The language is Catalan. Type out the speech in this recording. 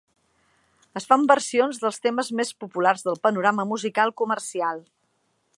Es fan versions dels temes més populars del panorama musical comercial.